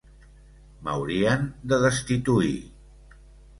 M'haurien de destituir.